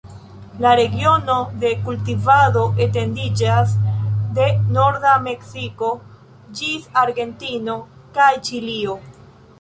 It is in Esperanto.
La regiono de kultivado etendiĝas de norda Meksikio ĝis Argentino kaj Ĉilio.